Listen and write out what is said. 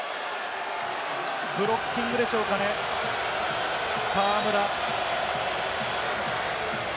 ブロッキングでしょうかね、河村。